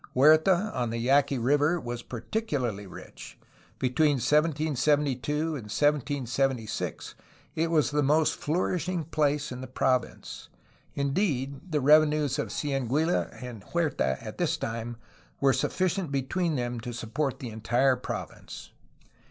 Huerta on the Yaqui River was particularly rich; between 1772 and 1776 it was the most flourishing place in the province. In deed, the revenues of Cieneguilla and Huerta at this time were sufficient between them to support the entire province.